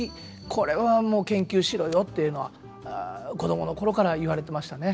これは研究しろよっていうのは子供の頃から言われてましたね。